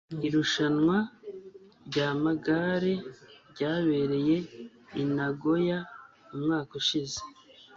Irushanwa ryamagare ryabereye i Nagoya umwaka ushize.